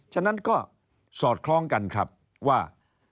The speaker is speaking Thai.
ฉะนั้นก็สอดคล้องกันครับว่า